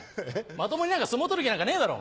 まともに相撲取る気なんかねえだろ？